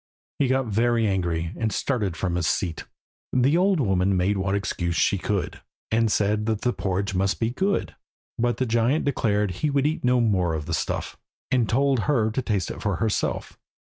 He got very angry, and started from his seat. The old woman made what excuse she could, and said that the porridge must be good; but the giant declared he would eat no more of the stuff, and told her to taste it for herself.